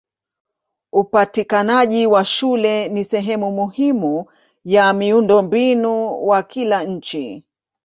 Upatikanaji wa shule ni sehemu muhimu ya miundombinu wa kila nchi.